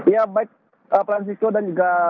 ya baik francisco dan juga